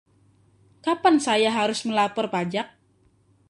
Kapan saya harus melapor pajak?